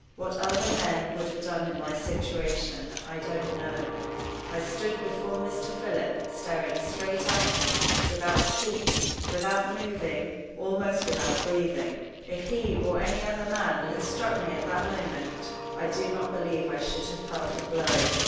What other men would have done in my situation I don't know. I stood before Mr. Philip, staring straight at him, without speaking, without moving, almost without breathing. If he or any other man had struck me at that moment, I do not believe I should have felt the blow.